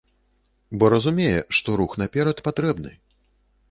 Бо разумее, што рух наперад патрэбны.